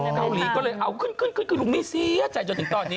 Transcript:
เกาหลีก็เลยเอาขึ้นขึ้นคือลุงมี่เสียใจจนถึงตอนนี้